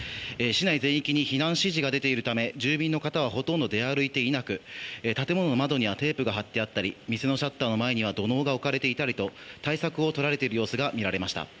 市内全域に避難指示が出ているため住民の方はほとんどで歩いておらず建物の窓にはテープが貼ってあったり店のシャッターの前には土のうが置かれていたりと対策をとられている様子が見られました。